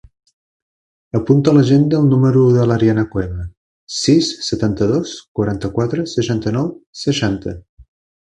Apunta a l'agenda el número de l'Arianna Cueva: sis, setanta-dos, quaranta-quatre, seixanta-nou, seixanta.